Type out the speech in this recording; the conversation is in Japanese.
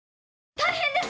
大変です！